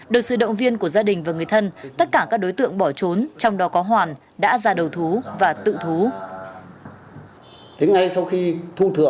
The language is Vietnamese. được sự động viên của gia đình và người thân tất cả các đối tượng bỏ trốn trong đó có hoàn đã ra đầu thú và tự thú